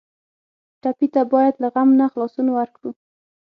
ټپي ته باید له غم نه خلاصون ورکړو.